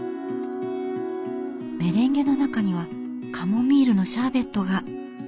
メレンゲの中にはカモミールのシャーベットが。